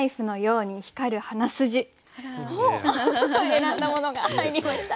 選んだものが入りました。